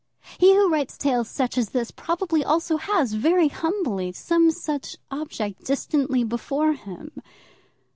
He who writes tales such as this, probably also has, very humbly, some such object distantly before him.